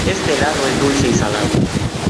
Este helado es dulce y salado.